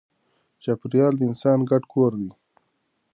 چاپېریال د انسان ګډ کور دی.